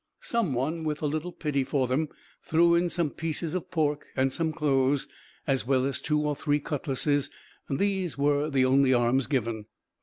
Some one with a little pity for them threw in some pieces of pork and some clothes, as well as two or three cutlasses; these were the only arms given.